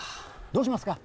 どうしますか？